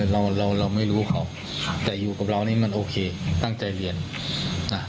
เราเราไม่รู้เขาแต่อยู่กับเรานี่มันโอเคตั้งใจเรียนนะ